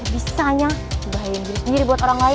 bisa nya membahayakan diri sendiri buat orang lain